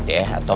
dede siapa itu